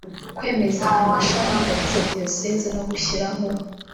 kwemeza amashami agize diyoseze no gushyiraho